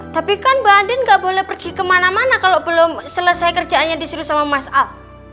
tapi kan mbak andi gak boleh pergi kemana mana kalo belum selesai kerjaannya disuruh sama mas al